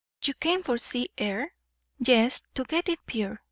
"You came for sea air?" "Yes, to get it pure.